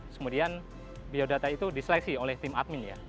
kemudian biodata itu diseleksi oleh tim admin ya